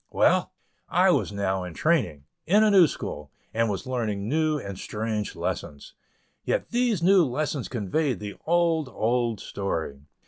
Well! I was now in training, in a new school, and was learning new and strange lessons. Yet, these new lessons conveyed the old, old story.